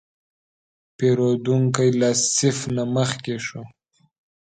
پیرودونکی له صف نه مخکې شو.